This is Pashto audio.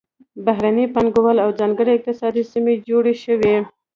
بهرنۍ پانګونه او ځانګړې اقتصادي سیمې جوړې شوې.